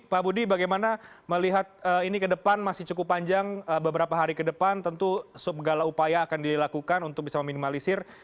pak budi bagaimana melihat ini ke depan masih cukup panjang beberapa hari ke depan tentu segala upaya akan dilakukan untuk bisa meminimalisir